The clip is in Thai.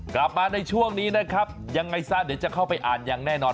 กลับมาในช่วงนี้นะครับยังไงซะเดี๋ยวจะเข้าไปอ่านอย่างแน่นอน